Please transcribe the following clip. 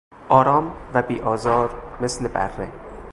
آرام و بی آزار مثل بره